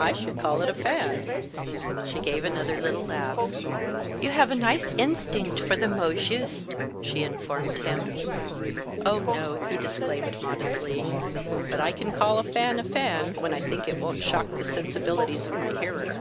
"I should call it a fan." She gave another little laugh. "You have a nice instinct for the mot juste," she informed him. "Oh, no," he disclaimed, modestly. "But I can call a fan a fan, when I think it won't shock the sensibilities of my hearer."